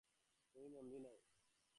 তুমি বন্দী নও।